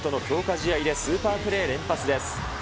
試合でスーパープレー連発です。